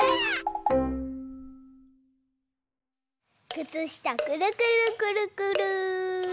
くつしたくるくるくるくる。